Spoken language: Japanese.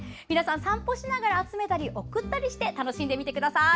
散歩しながら集めたり送ったりして楽しんでみてください。